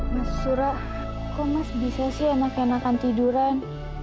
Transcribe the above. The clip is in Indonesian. mas surak kok mas bisa sih enakan enakan tiduran